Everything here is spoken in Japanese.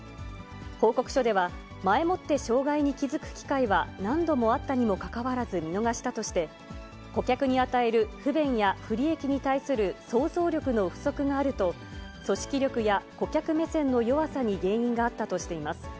報告書では、前もって障害に気付く機会は何度もあったにもかかわらず見逃したとして、顧客に与える不便や不利益に対する想像力の不足があると、組織力や顧客目線の弱さに原因があったとしています。